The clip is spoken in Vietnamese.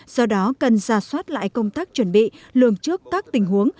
do đó cần ra soát lại công tác chuẩn bị lường trước các tình huống